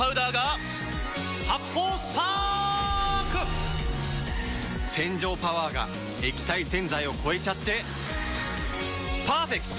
発泡スパーク‼洗浄パワーが液体洗剤を超えちゃってパーフェクト！